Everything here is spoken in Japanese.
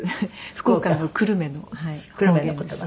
福岡の久留米の方言です。